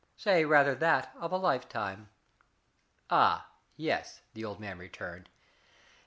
Say rather that of a lifetime." "Ah, yes," the old man returned.